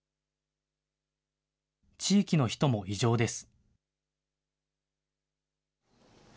地域の人も異常です。